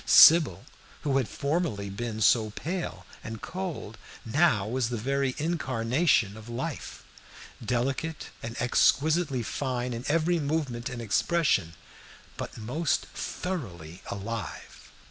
Sybil, who had formerly been so pale and cold, now was the very incarnation of life; delicate and exquisitely fine in every movement and expression, but most thoroughly alive.